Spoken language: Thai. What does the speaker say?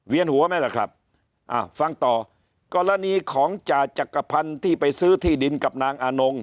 หัวไหมล่ะครับอ้าวฟังต่อกรณีของจ่าจักรพันธ์ที่ไปซื้อที่ดินกับนางอานง